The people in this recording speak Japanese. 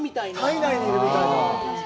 体内にいるみたいな。